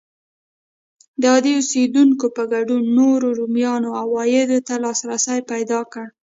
د عادي اوسېدونکو په ګډون نورو رومیانو عوایدو ته لاسرسی پیدا کړ.